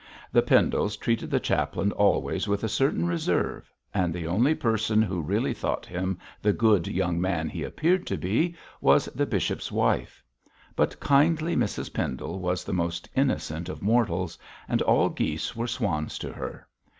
The Pendles treated the chaplain always with a certain reserve, and the only person who really thought him the good young man he appeared to be, was the bishop's wife. But kindly Mrs Pendle was the most innocent of mortals, and all geese were swans to her.